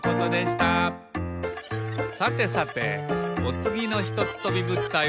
さてさておつぎのひとつとびぶったいは？